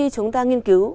chúng ta nghiên cứu